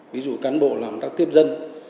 ví dụ cán bộ làm tác tiếp dân